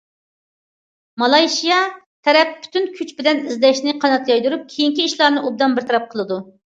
مالايشىيا تەرەپ پۈتۈن كۈچ بىلەن ئىزدەشنى قانات يايدۇرۇپ، كېيىنكى ئىشلارنى ئوبدان بىر تەرەپ قىلىدۇ.